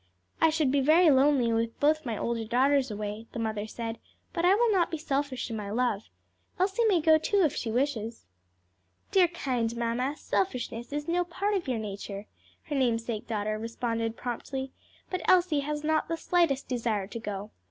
"I should be lonely with both my older daughters away," the mother said, "but I will not be selfish in my love. Elsie may go, too, if she wishes." "Dear, kind mamma, selfishness is no part of your nature," her namesake daughter responded promptly, "but Elsie has not the slightest desire to go.